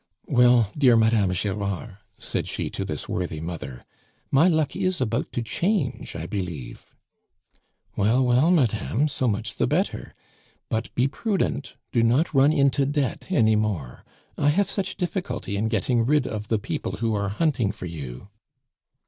"Well, dear Madame Gerard," said she to this worthy mother, "my luck is about to change, I believe." "Well, well, madame, so much the better. But be prudent; do not run into debt any more. I have such difficulty in getting rid of the people who are hunting for you."